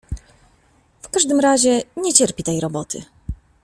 W każdym razie nie cierpi tej roboty!